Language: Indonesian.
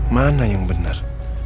mana yang bener